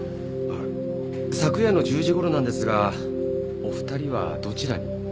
昨夜の１０時頃なんですがお二人はどちらに？